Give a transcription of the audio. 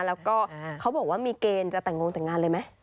แล้วก็เขาบอกว่ามีเกณฑ์จะแต่งงแต่งงานเลยไหม